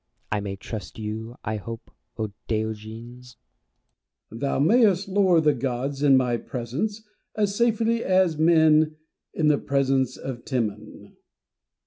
I may trust you, I hope, O Diogenes? Diogenes. Thou raayest lower the gods in my presence, as .safely as men in the pro'^once of Timon.